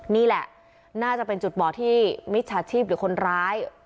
นี่แหละน่าจะเป็นจุดบ่อที่มิจฉาชีพหรือคนร้าย